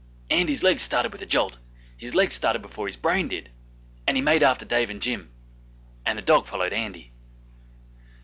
Andy's legs started with a jolt; his legs started before his brain did, and he made after Dave and Jim. And the dog followed Andy.